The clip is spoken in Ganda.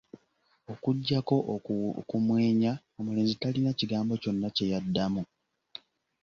Okuggyako okumwenya, omulenzi talina kigambo kyonna kye yaddamu.